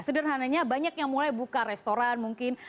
sederhananya banyak yang mulai buka restoran mungkin